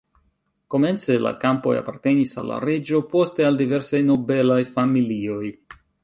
Komence la kampoj apartenis al la reĝo, poste al diversaj nobelaj familioj.